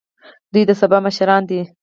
دوی د سبا مشران دي